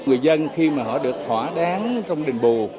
người dân khi mà họ được thỏa đáng trong đền bù